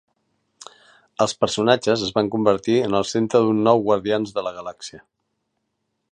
Els personatges es van convertir en el centre d'un nou Guardians de la Galàxia.